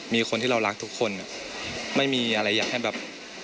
มีคนที่เรารักทุกคนไม่มีอะไรอยากให้แบบ